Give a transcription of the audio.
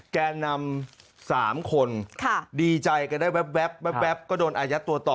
แก่นำ๓คนดีใจกันได้แว๊บก็โดนอายัดตัวต่อ